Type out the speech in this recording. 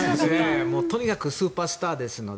とにかくスーパースターですので。